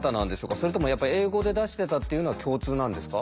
それともやっぱり英語で出してたっていうのは共通なんですか？